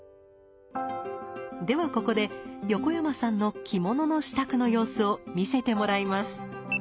ではここで横山さんの着物の支度の様子を見せてもらいます。